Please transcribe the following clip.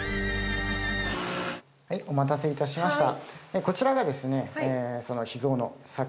はいお待たせいたしました。